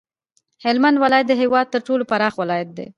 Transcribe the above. هلمند ولایت د هیواد تر ټولو پراخ ولایت دی